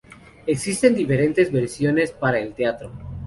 Existen diferentes versiones para el teatro.